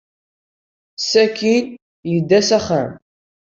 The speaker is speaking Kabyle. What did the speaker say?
Sakkin, yedda s axxam.